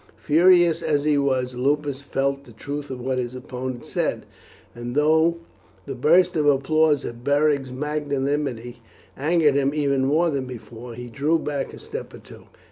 Furious as he was, Lupus felt the truth of what his opponent said, and though the burst of applause at Beric's magnanimity angered him even more than before, he drew back a step or two.